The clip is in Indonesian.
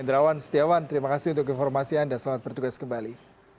andrawan setiawan terima kasih untuk informasi anda selamat bertugas kembali